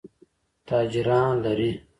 تاجران لري.